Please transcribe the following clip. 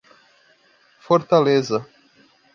Fortaleza